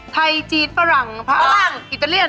ไทยจีนฝรั่งพระล่างอิตาเลียน